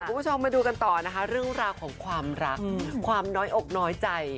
คุณผู้ชมมาดูกันต่อนะคะเรื่องราวของความรักความน้อยอกน้อยใจ